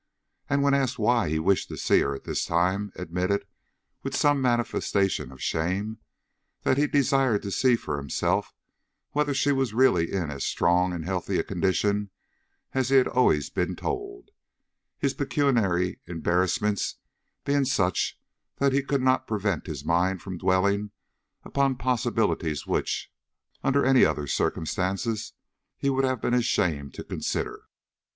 And when asked why he wished to see her at this time, admitted, with some manifestation of shame, that he desired to see for himself whether she was really in as strong and healthy a condition as he had always been told; his pecuniary embarrassments being such that he could not prevent his mind from dwelling upon possibilities which, under any other circumstances, he would have been ashamed to consider.